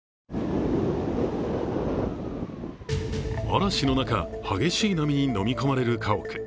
嵐の中激しい波に飲み込まれる家屋。